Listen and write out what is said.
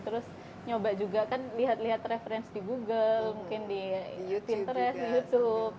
terus nyoba juga kan lihat lihat reference di google mungkin di interest di youtube